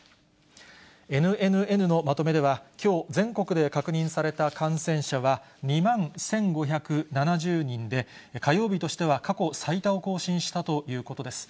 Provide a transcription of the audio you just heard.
ＮＮＮのまとめでは、きょう全国で確認された感染者は２万１５７０人で、火曜日としては過去最多を更新したということです。